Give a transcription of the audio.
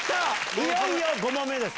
いよいよ５問目です。